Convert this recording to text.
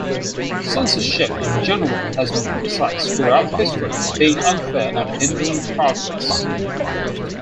Censorship in general has been criticized throughout history for being unfair and hindering progress.